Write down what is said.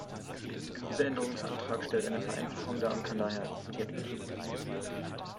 Dieser Änderungsantrag stellt eine Vereinfachung dar und kann daher akzeptiert werden.